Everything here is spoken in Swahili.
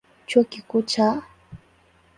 Chuo Kikuu cha Mt.